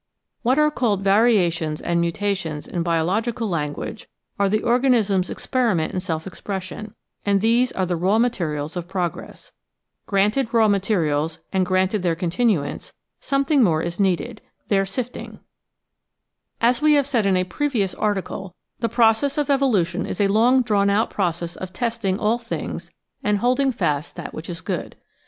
What are called variations and mutations in biological lan guage are the organism's experiment in self expression, and these are the raw materials of progress. Granted raw materials, and 370 The Outline of Science granted their continuance, something more is needed — ^their sift ing. As we have said in a previous article, the process of evolu tion is a long drawn out process of testing all things and holding fast that which is good.